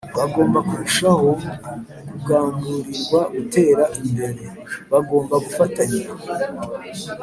bagomba kurushaho gukangurirwa gutera imbere, bagomba gufatanya